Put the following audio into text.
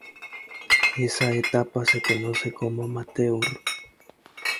Esta etapa se conoce como amateur.